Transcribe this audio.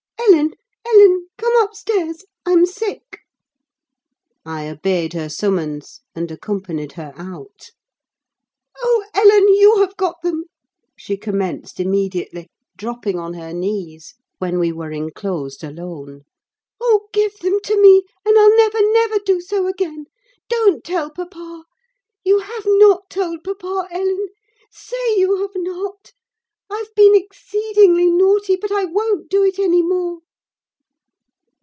"Ellen! Ellen! come upstairs—I'm sick!" I obeyed her summons, and accompanied her out. "Oh, Ellen! you have got them," she commenced immediately, dropping on her knees, when we were enclosed alone. "Oh, give them to me, and I'll never, never do so again! Don't tell papa. You have not told papa, Ellen? say you have not? I've been exceedingly naughty, but I won't do it any more!"